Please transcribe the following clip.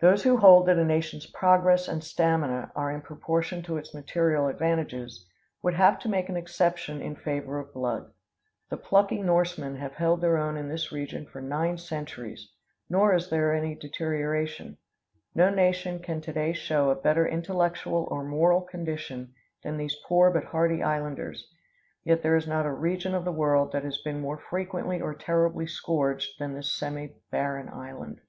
Those who hold that a nation's progress and stamina are in proportion to its material advantages, would have to make an exception in favor of blood. The plucky Norsemen have held their own in this region for nine centuries; nor is there any deterioration. No nation can to day show a better intellectual or moral condition than these poor but hardy islanders. Yet there is not a region of the world that has been more frequently or terribly scourged than this semibarren island.